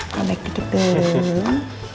robek gitu dulu